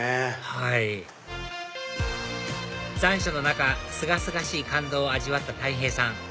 はい残暑の中すがすがしい感動を味わったたい平さん